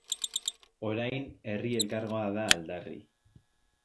Orain Herri Elkargoa da aldarri.